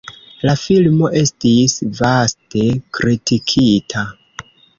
La filmo estis vaste kritikita.